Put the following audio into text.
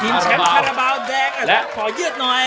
แชมป์คาราบาลแดงขอยืดหน่อย